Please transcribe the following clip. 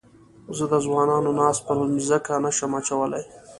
زه د ځوانانو ناز پر مځکه نه شم اچولای.